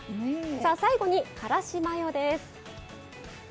最後にからしマヨです。